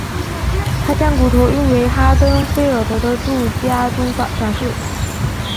他将骨头运回哈登菲尔德的住家中展示。